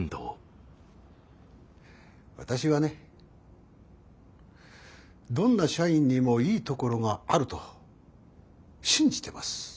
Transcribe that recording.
私はねどんな社員にもいいところがあると信じてます。